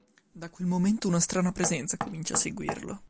Da quel momento una strana presenza comincia a seguirlo.